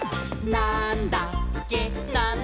なんだっけ？！」